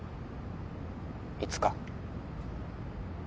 いつか。